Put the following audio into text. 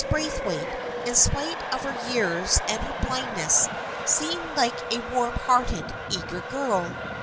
Braithwaite, in spite of her years and her blindness, seemed like a warm hearted eager girl.